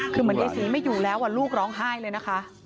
คือเหมือนยายศรีไม่อยู่แล้วลูกร้องไห้เลยนะคะ